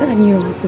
rất là nhiều